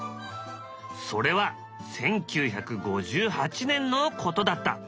それは１９５８年のことだった。